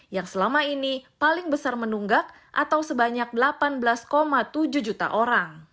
yang selama ini paling besar menunggak atau sebanyak delapan belas tujuh juta orang